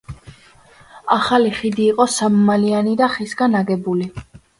ახალი ხიდი იყო სამმალიანი და ხისგან აგებული.